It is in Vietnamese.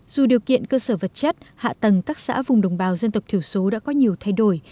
dù điều kiện cơ sở vật chất hạ tầng các xã vùng đồng bào dân tộc thiểu số đã có nhiều thay đổi